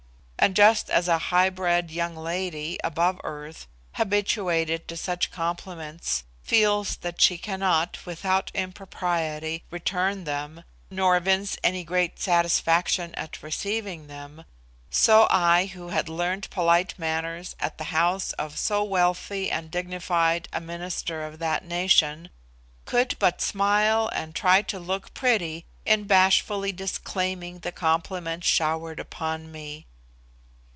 And just as a high bred young lady, above earth, habituated to such compliments, feels that she cannot, without impropriety, return them, nor evince any great satisfaction at receiving them; so I who had learned polite manners at the house of so wealthy and dignified a Minister of that nation, could but smile and try to look pretty in bashfully disclaiming the compliments showered upon me.